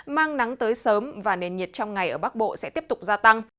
mang nắng tới sớm và nền nhiệt trong ngày ở bắc bộ sẽ tiếp tục gia tăng